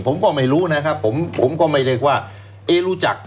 ผมก็ไม่รู้นะครับผมก็ไม่เลียกว่ารู้จัก